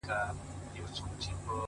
پر وجود څه ډول حالت وو اروا څه ډول وه،